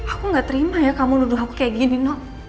aku gak terima ya kamu nuduh aku kayak gini nok